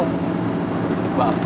baper banget sih